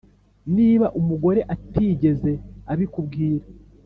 Niba umugore atigeze abikubwira